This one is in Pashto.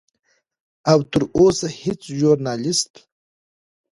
او تر اوسه هیڅ ژورنالست